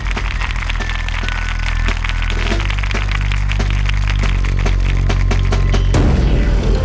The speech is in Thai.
โปรดติดตามตอนต่อไป